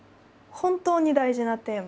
「本当に大事なテーマ」。